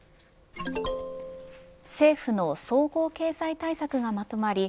政府の総合経済対策がまとまり